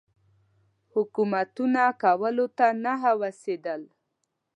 حکومت کولو ته نه هوسېدل.